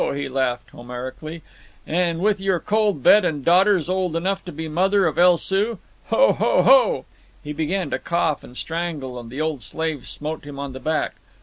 he laughed Homerically. "And with your cold bed and daughters old enough to be the mother of El Soo! Ho! ho! ho!" He began to cough and strangle, and the old slaves smote him on the back.